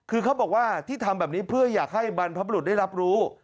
คือเขาบอกว่าที่ทำแบบนี้เพื่ออยากให้บรรพบรุษได้รับรู้